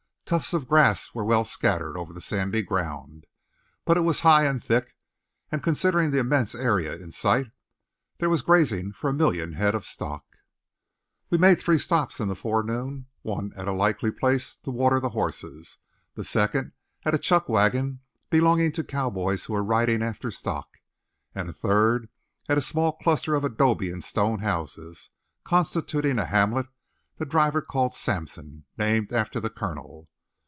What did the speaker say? Tufts of grass were well scattered over the sandy ground, but it was high and thick, and considering the immense area in sight, there was grazing for a million head of stock. We made three stops in the forenoon, one at a likely place to water the horses, the second at a chuckwagon belonging to cowboys who were riding after stock, and the third at a small cluster of adobe and stone houses, constituting a hamlet the driver called Sampson, named after the Colonel.